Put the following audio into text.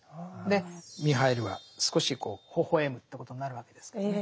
でミハイルは少しほほ笑むということになるわけですけどね。